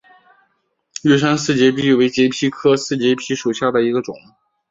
玉山四节蜱为节蜱科四节蜱属下的一个种。